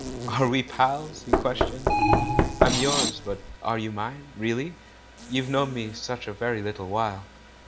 "Are we pals?" he questioned. "I'm yours; but are you mine? Really? You've known me such a very little while."